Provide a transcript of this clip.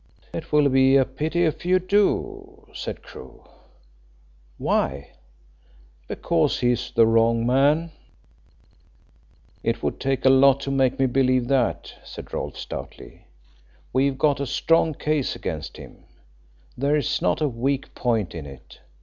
"It will be a pity if you do," said Crewe. "Why?" "Because he's the wrong man." "It would take a lot to make me believe that," said Rolfe stoutly. "We've got a strong case against him there is not a weak point in it.